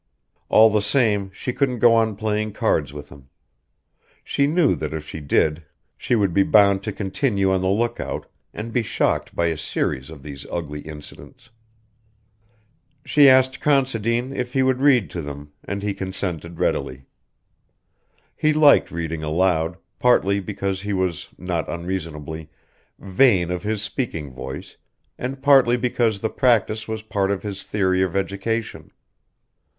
All the same she couldn't go on playing cards with him. She knew that if she did she would be bound to continue on the look out, and be shocked by a series of these ugly incidents. She asked Considine if he would read to them, and he consented readily. He liked reading aloud, partly because he was, not unreasonably, vain of his speaking voice and partly because the practice was part of his theory of education.